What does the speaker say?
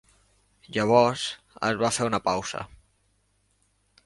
Llavors es va fer una pausa.